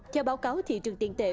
theo báo cáo thị trường tiện tệ